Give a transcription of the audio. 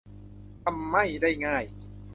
ทำไม่ได้ง่าย